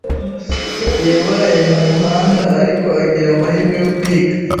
yabaye mu muhanda ariko agira amahirwe yo kwiga